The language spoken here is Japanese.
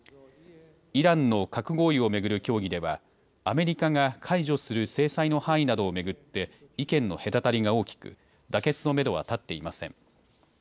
イランの核合意を巡る協議ではアメリカが解除する制裁の範囲などを巡って意見の隔たりが大きく、妥結のめどは立っていません。